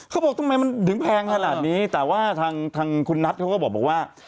เขาบอกทำไมมันถึงแพงขนาดนี้แต่ว่าทางคุณนัทเขาก็บอกว่า